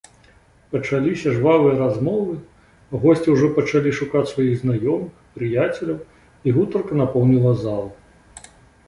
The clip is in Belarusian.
Пачаліся жвавыя размовы, госці ўжо пачалі шукаць сваіх знаёмых, прыяцеляў, і гутарка напоўніла залу.